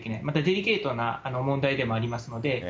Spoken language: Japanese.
またデリケートな問題でもありますので。